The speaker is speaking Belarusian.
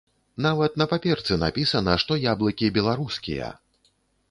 Нават на паперцы напісана, што яблыкі беларускія!